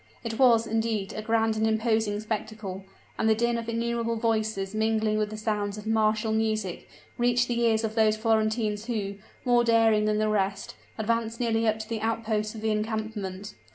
It was, indeed, a grand and imposing spectacle: and the din of innumerable voices mingling with the sounds of martial music, reached the ears of those Florentines who, more daring than the rest, advanced nearly up to the outposts of the encampment.